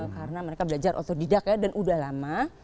karena mereka belajar otodidak ya dan udah lama